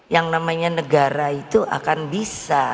yang namanya negara itu akan bisa